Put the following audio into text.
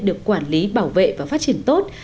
được quản lý bảo vệ và phát triển tốt